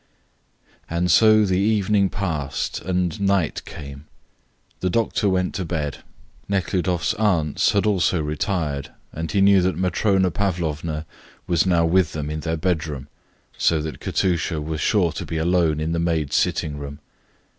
And so the evening passed and night came. The doctor went to bed. Nekhludoff's aunts had also retired, and he knew that Matrona Pavlovna was now with them in their bedroom so that Katusha was sure to be alone in the maids' sitting room.